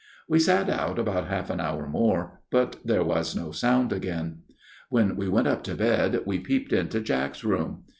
" We sat out about half an hour more, but there was no sound again. " When we went up to bed we peeped into Jack's room.